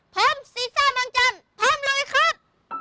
ซีซ่านางจันทร์พร้อมเลยครับ